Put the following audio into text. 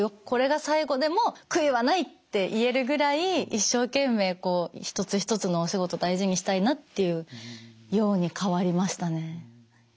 これが最後でも悔いはないって言えるぐらい一生懸命一つ一つのお仕事大事にしたいなっていうように変わりましたね。